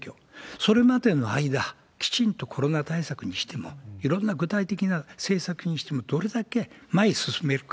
それまでの間、きちんとコロナ対策にしても、いろんな具体的な政策にしても、どれだけ前へ進めるか。